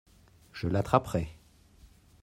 Je l'attraperai.